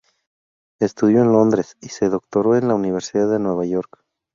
Estudió en Londres y se doctoró en la Universidad de Nueva York.